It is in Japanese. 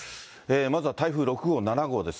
まずは台風６号、７号です。